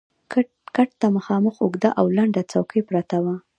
کټ ته مخامخ اوږده او لنډه څوکۍ پرته وه.